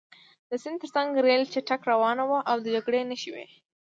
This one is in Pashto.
د سیند ترڅنګ ریل چټک روان و او د جګړې نښې وې